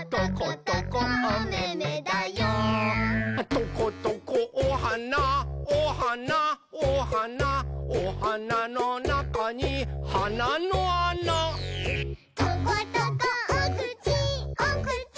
「トコトコおはなおはなおはなおはなのなかにはなのあな」「トコトコおくちおくち